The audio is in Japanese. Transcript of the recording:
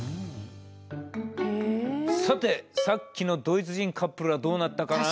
さてさっきのドイツ人カップルはどうなったかな？